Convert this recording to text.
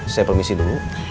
saya permisi dulu